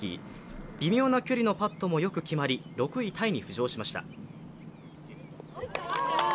微妙な距離のパットもよく決まり、６位タイに浮上しました。